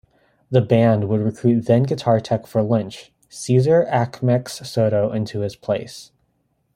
The band would recruit then-guitar tech for Lynch, Cesar "Achmex" Soto into his place.